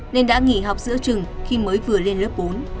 nên đã nghỉ học giữa trường khi mới vừa lên lớp bốn